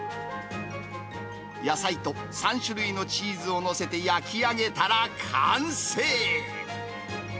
野菜と３種類のチーズを載せて焼き上げたら完成。